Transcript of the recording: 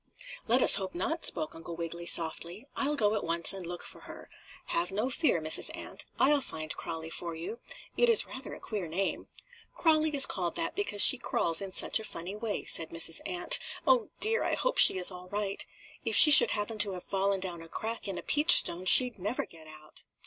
"Let us hope not," spoke Uncle Wiggily, softly. "I'll go at once and look for her. Have no fear, Mrs. Ant. I'll find Crawlie for you. It is rather a queer name." "Crawlie is called that because she crawls in such a funny way," said Mrs. Ant. "Oh, dear! I hope she is all right. If she should happen to have fallen down a crack in a peach stone she'd never get out."